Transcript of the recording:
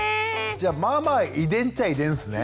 じゃまあまあ遺伝っちゃ遺伝っすね。